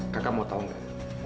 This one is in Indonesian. kak kakak mau tau gak